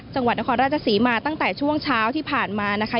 จังหวัดนครราชศรีมาตั้งแต่ช่วงเช้าที่ผ่านมานะคะ